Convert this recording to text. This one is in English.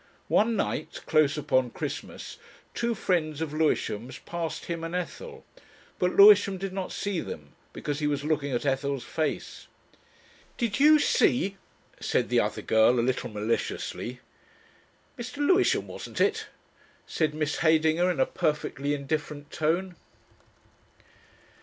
One night close upon Christmas two friends of Lewisham's passed him and Ethel. But Lewisham did not see them, because he was looking at Ethel's face. "Did you see?" said the other girl, a little maliciously. "Mr. Lewisham wasn't it?" said Miss Heydinger in a perfectly indifferent tone.